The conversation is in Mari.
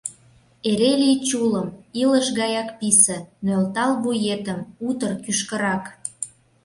Эре лий чулым, илыш гаяк писе, нӧлтал вуетым утыр кӱшкырак!